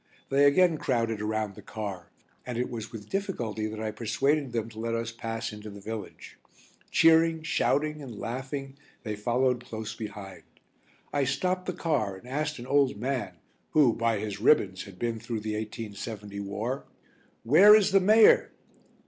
They again crowded around the car, and it was with difficulty that I persuaded them to let us pass into the village. Cheering, shouting, and laughing they followed close behind. I stopped the car and asked an old man who, by his ribbons, had been through the 1870 war: "Where is the Mayor?"